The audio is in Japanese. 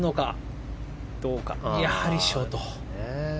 やはりショート。